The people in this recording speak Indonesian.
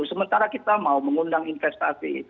sementara kita mau mengundang investasi